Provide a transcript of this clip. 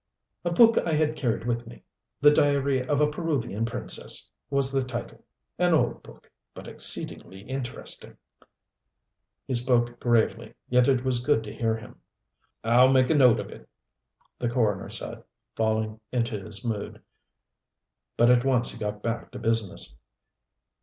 "A book I had carried with me. 'The diary of a Peruvian Princess' was the title. An old book but exceedingly interesting." He spoke gravely, yet it was good to hear him. "I'll make a note of it," the coroner said, falling into his mood. But at once he got back to business.